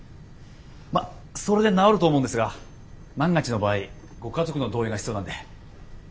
まっそれで治ると思うんですが万が一の場合ご家族の同意が必要なんで。